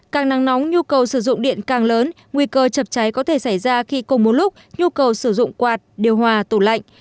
càng nắng nóng nhu cầu sử dụng điện càng lớn nguy cơ chập cháy có thể xảy ra khi cùng một lúc nhu cầu sử dụng quạt điều hòa tủ lạnh